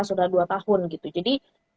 sudah dua tahun gitu jadi